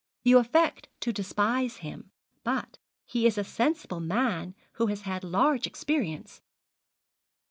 You affect to despise him; but he is a sensible man who has had large experience.'